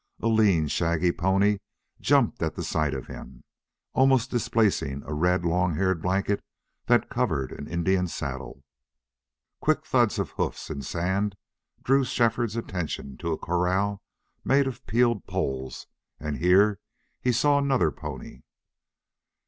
A lean, shaggy pony jumped at sight of him, almost displacing a red long haired blanket that covered an Indian saddle. Quick thuds of hoofs in sand drew Shefford's attention to a corral made of peeled poles, and here he saw another pony.